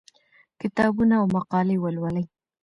کتابونه او مقالې ولولئ.